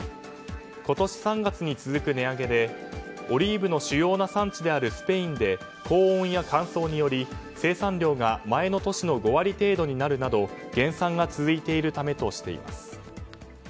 今年３月に続く値上げでオリーブの主要な産地であるスペインで高温や乾燥により生産量が前の年の５割程度になるなど減産が続いているためとしています。